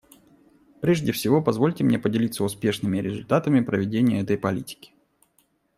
Прежде всего позвольте мне поделиться успешными результатами проведения этой политики.